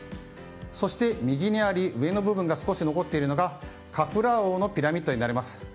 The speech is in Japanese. そして、右にあり上の部分が少し残っているのがカフラー王のピラミッドになります。